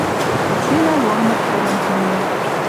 Кыцелӓ ламыт каранг миӓ...»